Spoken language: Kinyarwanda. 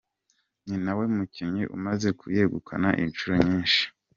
Ni nawe mukinnyi umaze kuyegukana inshuro nyinshi.